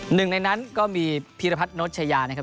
หนึ่งในนั้นก็มีพีรพัฒนชายานะครับ